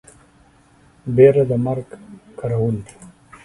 بيره د مرگ کرول دي.